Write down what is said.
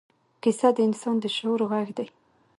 کیسه د انسان د شعور غږ دی.